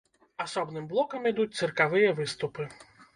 Асобным блокам ідуць цыркавыя выступы.